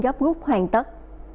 gấp gúc hoàn tất